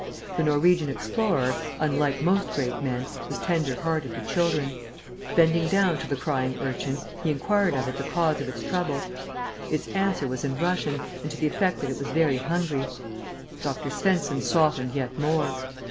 The Norwegian explorer, unlike most great men, was tender hearted to children. Bending down to the crying urchin, he inquired of it the cause of its trouble. Its answer was in Russian, and to the effect that it was very hungry. Dr. Svensen softened yet more.